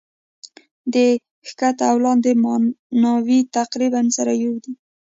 د کښته او لاندي ماناوي تقريباً سره يو دي.